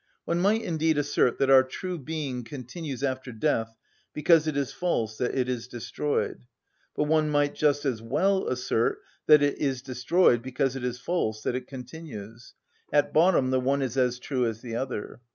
One might indeed assert that our true being continues after death because it is false that it is destroyed; but one might just as well assert that it is destroyed because it is false that it continues: at bottom the one is as true as the other.